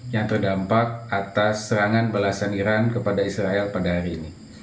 yang terdampak atas serangan belasan iran kepada israel pada hari ini